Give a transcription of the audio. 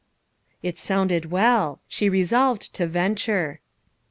It sounded well; she resolved to venture.